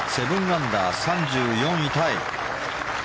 ７アンダー、３４位タイ。